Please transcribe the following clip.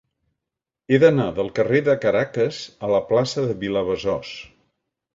He d'anar del carrer de Caracas a la plaça de Vilabesòs.